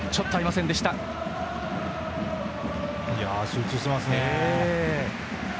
集中してますね。